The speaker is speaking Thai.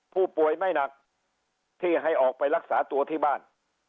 ผู้ป่วยไม่หนักที่ให้ออกไปรักษาตัวที่บ้าน